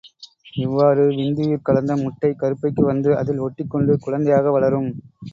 இவ்வாறு விந்துயிர் கலந்த முட்டை கருப்பைக்கு வந்து அதில் ஒட்டிக் கொண்டு குழந்தையாக வளரும்.